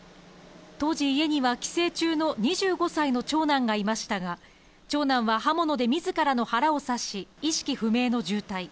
当時、家には帰省中の２５歳の長男がいましたが、長男は刃物でみずからの腹を刺し、意識不明の重体。